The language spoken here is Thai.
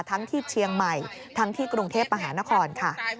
ทั้งที่เชียงใหม่ทั้งที่กรุงเทพมหานครค่ะ